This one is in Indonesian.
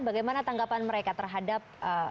bagaimana tanggapan mereka terhadap